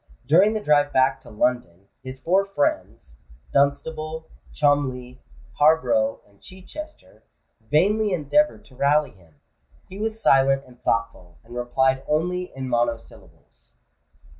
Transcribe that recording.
During the drive back to London, his four friends—Dunstable, Cholmondeley, Harborough, and Chichester—vainly endeavoured to rally him: he was silent and thoughtful, and replied only in monosyllables.